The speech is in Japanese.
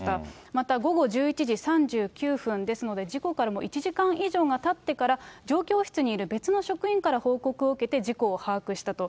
また午後１１時３９分、ですので、事故からもう１時間以上がたってから、状況室にいる別の職員から報告を受けて、事故を把握したと。